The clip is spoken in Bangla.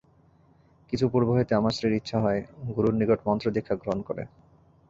কিছু পূর্ব হইতে আমার স্ত্রীর ইচ্ছা হয়, গুরুর নিকট মন্ত্র-দীক্ষা গ্রহণ করে।